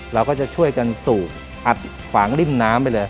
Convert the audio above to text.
เราก็จะช่วยกันสูบอัดขวางริ่มน้ำไปเลย